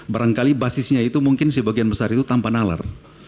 barangkali basisnya itu mungkin sebagian besar itu tanpa nalar